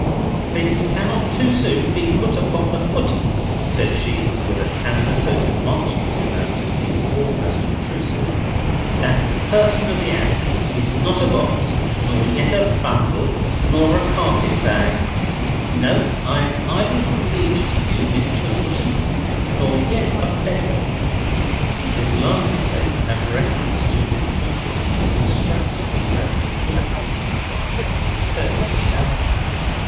"Things cannot too soon be put upon the footing," said she, with a candour so demonstrative as to be almost obtrusive, "that the person of the 'ouse is not a box nor yet a bundle, nor a carpet bag. No, I am 'ily obleeged to you, Miss Twinkleton, nor yet a beggar." This last disclaimer had reference to Miss Twinkleton's distractedly pressing two and sixpence on her, instead of the cabman.